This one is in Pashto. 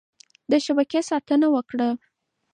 د شبکې ساتنه وکړه.